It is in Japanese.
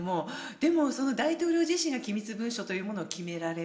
でも、大統領自身が機密文書を決められる。